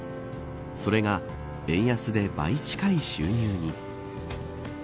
それが円安で倍近い収入に。